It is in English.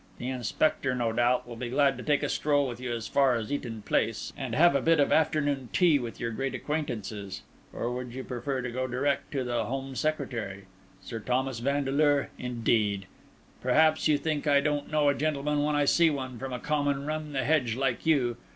The inspector, no doubt, will be glad to take a stroll with you as far as Eaton Place, and have a bit of afternoon tea with your great acquaintances. Or would you prefer to go direct to the Home Secretary? Sir Thomas Vandeleur, indeed! Perhaps you think I don't know a gentleman when I see one, from a common run the hedge like you?